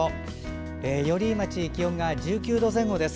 寄居町、気温が１９度前後です。